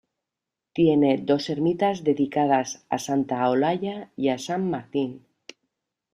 Tiene dos ermitas dedicadas a Santa Olalla y a San Martín.